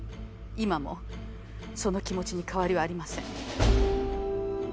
今もその気持ちに変わりはありません」。